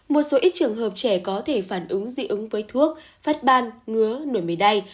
một số ít trường hợp trẻ có thể phản ứng dị ứng với thuốc phát ban ngứa nổi mẩy đay